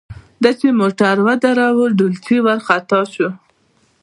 ده چې موټر ودراوه ډولچي ورخطا شو.